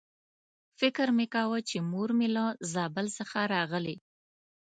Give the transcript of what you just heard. فکر مې کاوه چې مور مې له زابل څخه راغلې.